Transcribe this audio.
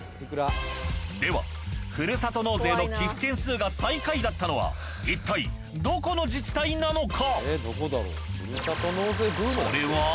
ではふるさと納税の寄付件数が最下位だったのは一体どこの自治体なのか？